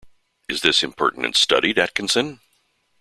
Is this impertinence studied, Atkinson?